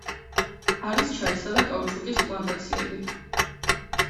არის ჩაისა და კაუჩუკის პლანტაციები.